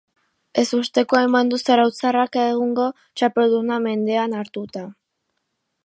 Ezustekoa eman du zarauztarrak egungo txapelduna mendean hartuta.